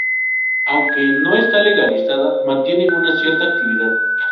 Aunque no está legalizada, mantiene una cierta actividad.